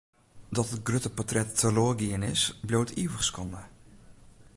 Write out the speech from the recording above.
Dat it grutte portret teloar gien is, bliuwt ivich skande.